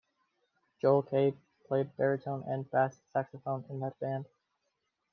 Joel Kaye played baritone and bass saxophone in that band.